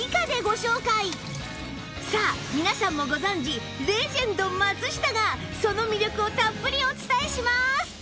さあ皆さんもご存じレジェンド松下がその魅力をたっぷりお伝えします